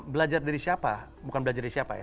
belajar dari siapa bukan belajar dari siapa ya